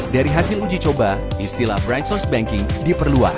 dari hasil uji coba istilah branchless banking diperlukan